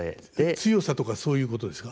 強さとかそういうことですか？